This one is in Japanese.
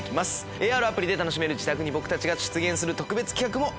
ＡＲアプリで楽しめる自宅に僕たちが出現する特別企画もあります。